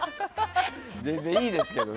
全然いいですけど。